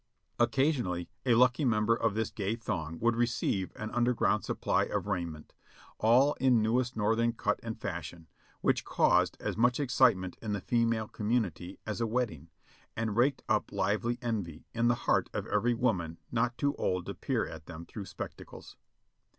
Occasion ally a lucky member of this gay throng would receive an under ground supply of raiment, all in newest Northern cut and fashion, which caused as much excitement in the female community as a wedding, and raked up lively envy in the heart of every woman not too old to peer at them through spectacles.